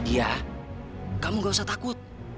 iya kamu gak usah takut